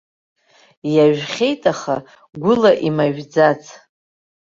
Иажәхьеит, аха гәыла имажәӡац.